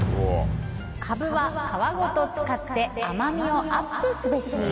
カブは皮ごと使って甘みをアップすべし。